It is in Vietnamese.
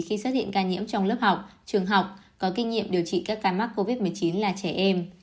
khi phát hiện ca nhiễm trong lớp học trường học có kinh nghiệm điều trị các ca mắc covid một mươi chín là trẻ em